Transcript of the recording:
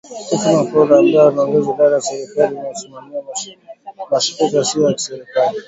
Stephen Okello ambaye anaongoza idara ya serikali inayosimamia mashirika yasiyo ya kiserikali